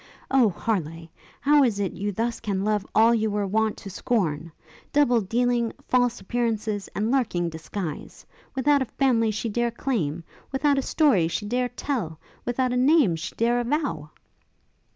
Oh, Harleigh! how is it you thus can love all you were wont to scorn? double dealing, false appearances, and lurking disguise! without a family she dare claim, without a story she dare tell, without a name she dare avow!'